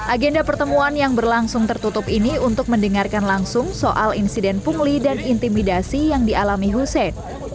agenda pertemuan yang berlangsung tertutup ini untuk mendengarkan langsung soal insiden pungli dan intimidasi yang dialami hussein